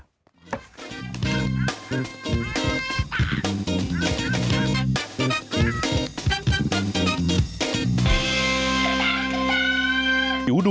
เอามานี่